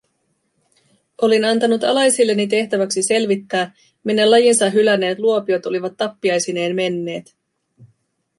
Olin antanut alaisilleni tehtäväksi selvittää, minne lajinsa hylänneet luopiot olivat tappiaisineen menneet.